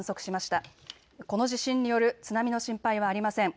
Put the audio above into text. このこの地震による津波の心配はありません。